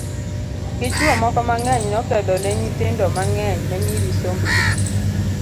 gi chuwo moko mang'eny nokedho ni nyithindo mang'eny manyiri somb gi